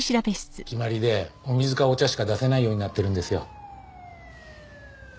決まりでお水かお茶しか出せないようになってるんですよ。